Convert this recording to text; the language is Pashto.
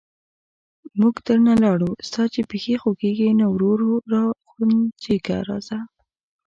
موږ درنه لاړو، ستا چې پښې خوګېږي، نو ورو ورو را غونجېږه راځه...